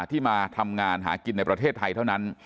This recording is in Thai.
ที่มาทำงานหากินในประเทศไทยเท่านั้น